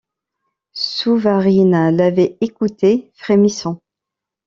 Souvarine l’avait écouté, frémissant.